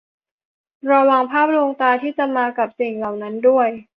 ระวังภาพลวงตาที่มากับสิ่งเหล่านั้นด้วย